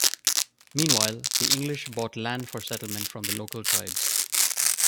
Meanwhile, the English bought land for settlement from the local tribes.